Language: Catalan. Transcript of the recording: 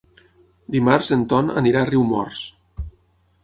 Dimarts en Ton anirà a Riumors.